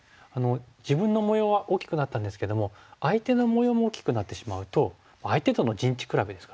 自分の模様は大きくなったんですけども相手の模様も大きくなってしまうと相手との陣地比べですからね。